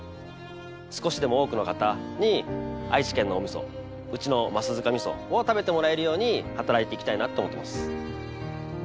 少しでも多くの方に愛知県のお味噌うちの桝塚味噌を食べてもらえるように働いていきたいなと思ってます。